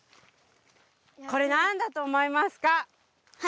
これ何だと思いますか？